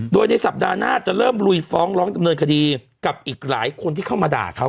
โดยในสัปดาห์หน้าจะเริ่มลุยฟ้องร้องดำเนินคดีกับอีกหลายคนที่เข้ามาด่าเขา